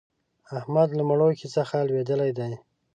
احمد له مړوښې څخه لوېدلی دی.